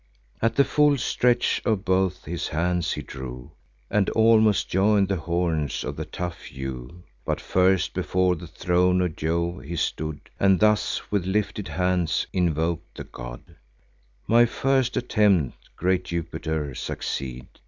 At the full stretch of both his hands he drew, And almost join'd the horns of the tough yew. But, first, before the throne of Jove he stood, And thus with lifted hands invok'd the god: "My first attempt, great Jupiter, succeed!